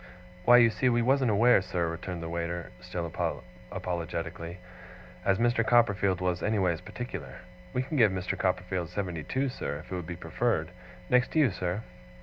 'Why, you see we wasn't aware, sir,' returned the waiter, still apologetically, 'as Mr. Copperfield was anyways particular. We can give Mr. Copperfield seventy two, sir, if it would be preferred. Next you, sir.